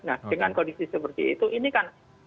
nah dengan kondisi seperti itu ini kan